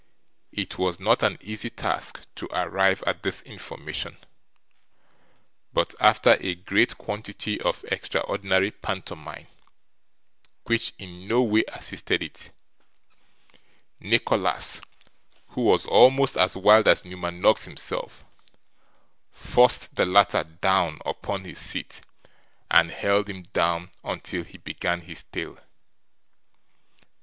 It was not an easy task to arrive at this information; but, after a great quantity of extraordinary pantomime, which in no way assisted it, Nicholas, who was almost as wild as Newman Noggs himself, forced the latter down upon his seat and held him down until he began his tale.